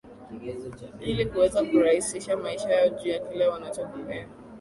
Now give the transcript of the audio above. Hili kuweza kuraisisha maisha yao juu ya kile wanachokipenda